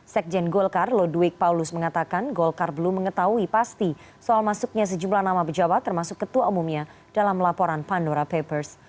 sekjen golkar lodwig paulus mengatakan golkar belum mengetahui pasti soal masuknya sejumlah nama pejabat termasuk ketua umumnya dalam laporan pandora papers